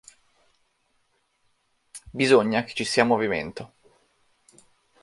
Bisogna che ci sia movimento.